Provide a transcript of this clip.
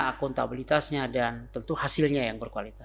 akuntabilitasnya dan tentu hasilnya yang berkualitas